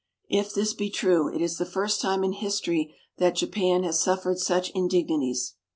If this be true, it is the first time in history that Japan has suffered such indignities.